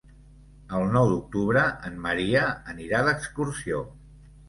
El nou d'octubre en Maria anirà d'excursió.